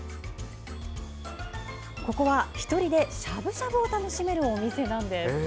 ここは、１人でしゃぶしゃぶを楽しめるお店なんです。